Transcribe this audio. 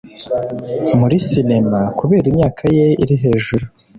muri sinema kubera imyaka ye iri hejuru.